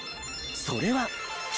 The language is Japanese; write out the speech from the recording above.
それは。